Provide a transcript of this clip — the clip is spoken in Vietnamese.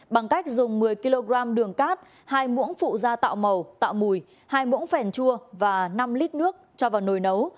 bằng cách dùng một mươi kg đường cát hai mũ phụ da tạo màu tạo mùi hai mũ phèn chua và năm lít nước cho vào nồi nấu